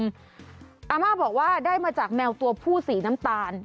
อาม่าบอกว่าได้มาจากแมวตัวผู้สีน้ำตาล